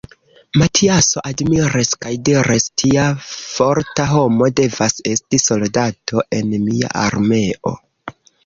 Matiaso admiris kaj diris: Tia forta homo devas esti soldato en mia armeo.